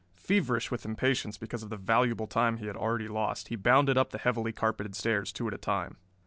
Feverish with impatience because of the valuable time he had already lost, he bounded up the heavily carpeted stairs two at a time.